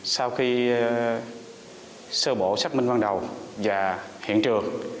sau khi sơ bộ xác minh ban đầu và hiện trường